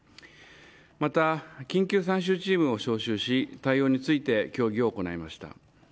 また緊急参集チームを召集し対応について協議を行いました。